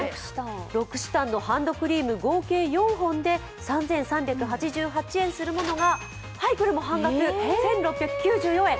ロクシタンのハンドクリーム合計４本で３３８８円するものがこれも半額１６９４円。